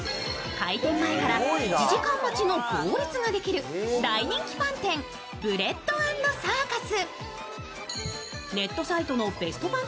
開店前から１時間待ちの行列ができる大人気パン店、ＢＲＥＡＤ＆ＣＩＲＣＵＳ。